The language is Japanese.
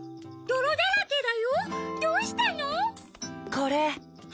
これ。